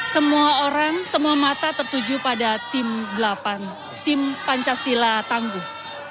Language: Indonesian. semua orang semua mata tertuju pada tim delapan tim pancasila tangguh